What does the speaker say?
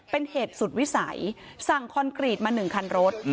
เป็นเหตุสุดวิสัยสั่งคอนกรีตมา๑คันรถ